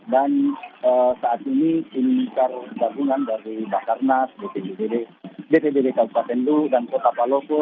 dan saat ini tim sar gabungan dari bakarnas bpbd bpbd kauk sabendu dan kota paloko